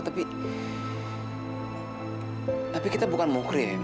tapi kita bukan mukri